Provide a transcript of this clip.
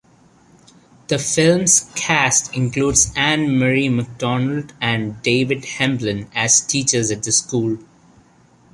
The film's cast includes Ann-Marie MacDonald and David Hemblen as teachers at the school.